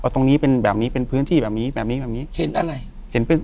ตรงนี้เป็นแบบนี้เป็นพื้นที่แบบนี้แบบนี้แบบนี้เห็นอะไรเห็นเป็น